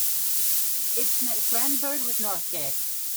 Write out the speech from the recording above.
It connects Randburg with Northgate.